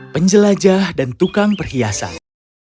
penjelajah dan tukang perhiasan